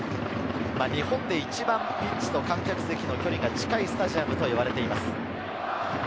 日本で一番ピッチと観客席の距離が近いスタジアムといわれています。